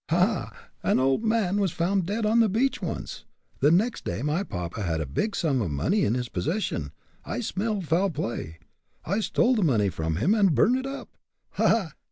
Ha! ha! an old man was found dead on the beach once. The next day my papa had a big sum of money in his possession. I smelled foul play. I stole the money from him and burned it up. Ha! ha!